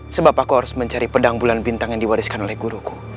sebab aku harus mencari pedang bulan bintang yang diwariskan oleh guruku